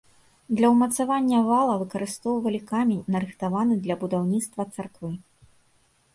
Для ўмацавання вала выкарыстоўвалі камень нарыхтаваны для будаўніцтва царквы.